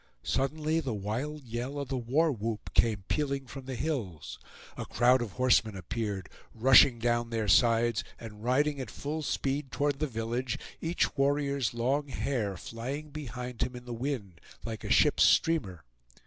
Suddenly the wild yell of the war whoop came pealing from the hills. A crowd of horsemen appeared, rushing down their sides and riding at full speed toward the village, each warrior's long hair flying behind him in the wind like a ship's streamer.